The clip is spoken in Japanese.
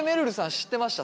知ってました？